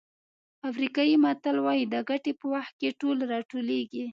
افریقایي متل وایي د ګټې په وخت ټول راټولېږي.